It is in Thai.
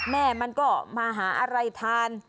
แม่มันก็มาหาอะไรทาน